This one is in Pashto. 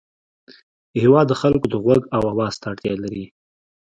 هېواد د خلکو د غوږ او اواز ته اړتیا لري.